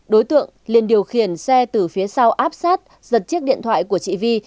đối tượng liên điều khiển xe từ phía sau áp sát giật chiếc điện thoại của chị vi